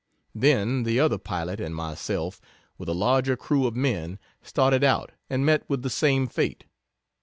Then the other pilot and myself, with a larger crew of men started out and met with the same fate.